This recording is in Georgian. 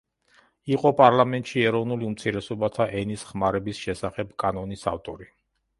იყო პარლამენტში ეროვნულ უმცირესობათა ენის ხმარების შესახებ კანონის ავტორი.